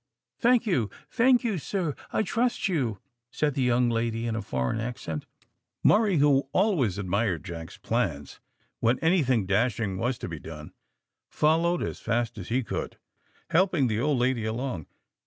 "Thank you, thank you, sir; I trust you," said the young lady in a foreign accent. Murray, who always admired Jack's plans when anything dashing was to be done, followed as fast as he could, helping the old lady along.